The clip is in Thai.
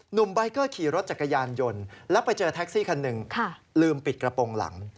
ใบเกอร์ขี่รถจักรยานยนต์แล้วไปเจอแท็กซี่คันหนึ่งลืมปิดกระโปรงหลัง